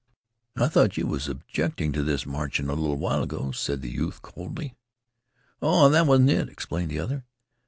"I thought you was objecting to this march a little while ago," said the youth coldly. "Oh, it wasn't that," explained the other.